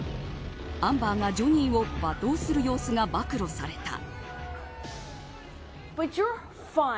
アンバーがジョニーを罵倒する様子が暴露された。